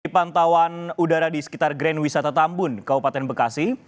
pantauan udara di sekitar grand wisata tambun kabupaten bekasi